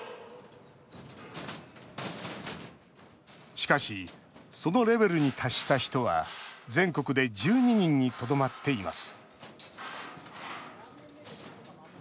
しかし、そのレベルに達した人は全国で１２人にとどまっています